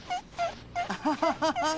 アハハハハッ！